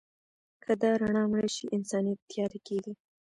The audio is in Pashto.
که دا رڼا مړه شي، انسانیت تیاره کېږي.